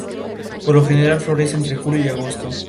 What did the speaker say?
Todos los nacionalismos nacen en oposición al "otro".